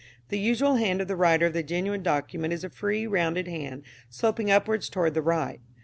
The usual hand of the writer of the genuine document is a free rounded hand sloping upwards towards the right.